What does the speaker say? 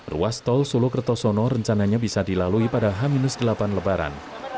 ruas tol solo kertosono rencananya bisa dilalui pada h delapan lebaran